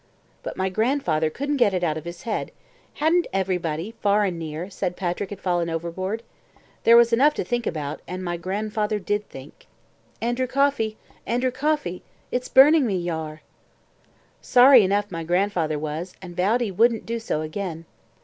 But my grandfather couldn't get it out of his head; hadn't everybody, far and near, said Patrick had fallen overboard. There was enough to think about, and my grandfather did think. "ANDREW COFFEY! ANDREW COFFEY! IT'S BURNING ME YE ARE." Sorry enough my grandfather was, and he vowed he wouldn't do so again.